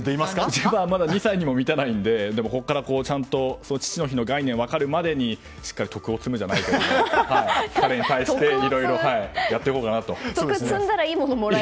自分はまだ２歳にも満たないのでここからちゃんと父の日の概念が分かるまでにしっかり徳を積むじゃないですけどそれに対していろいろやっていこうかなと。